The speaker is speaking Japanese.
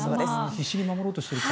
必死に守ろうとしてる。